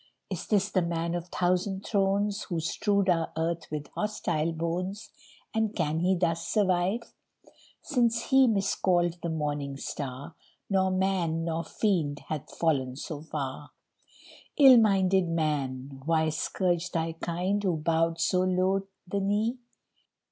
Is this the man of thousand thrones, Who strewed our earth with hostile bones, And can he thus survive? Since he, miscalled the Morning Star, Nor man nor fiend hath fallen so far. Ill minded man! why scourge thy kind Who bowed so low the knee?